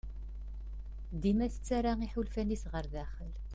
Dima tettarra iḥulfan-is ɣer daxel.